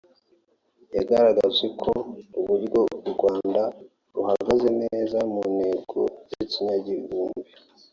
yagaraje ko uburyo u Rwanda ruhagaze neza mu ntego z’ikinyagihumbi